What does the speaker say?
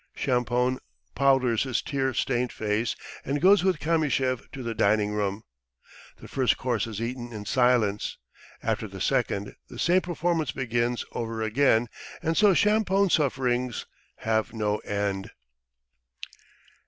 Champoun powders his tear stained face and goes with Kamyshev to the dining room. The first course is eaten in silence, after the second the same performance begins over again, and so Champoun's sufferings have no end.